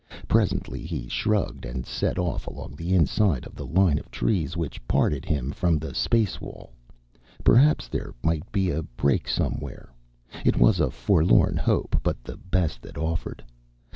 Presently he shrugged and set off along the inside of the line of trees which parted him from the space wall. Perhaps there might be a break somewhere. It was a forlorn hope, but the best that offered.